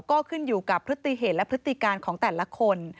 ก็ขึ้นอยู่กับพฤติเหตุและพฤติการของแต่ละคน